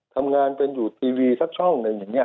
ทำงานเป็นอยู่ทีวีสักช่องหนึ่งอย่างนี้